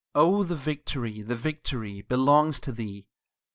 VIII O the victory the victory Belongs to thee!